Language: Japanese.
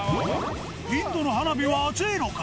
インドの花火は熱いのか？